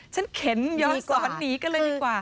ฉันเข็นย้อนศรหนีกันเลยกว่า